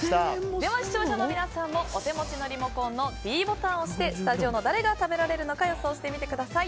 では視聴者の皆さんもお手持ちのリモコンのｄボタンを押してスタジオの誰が食べられるのか予想してみてください。